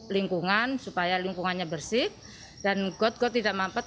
lingkungan supaya lingkungannya bersih dan got got tidak mampet